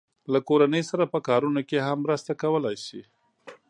له کورنۍ سره په کارونو کې هم مرسته کولای شي.